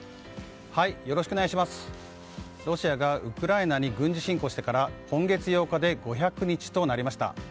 ロシアがウクライナに軍事侵攻してから今月８日で５００日となりました。